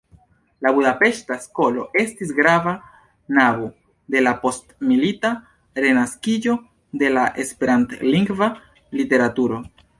La budapeŝta skolo estis grava nabo de la postmilita renaskiĝo de esperantlingva literaturo.